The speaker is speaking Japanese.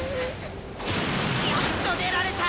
やっと出られた！